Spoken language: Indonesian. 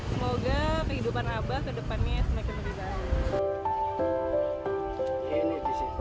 semoga kehidupan abah kedepannya semakin berjaya